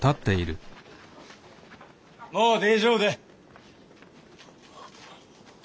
もう大丈夫だ。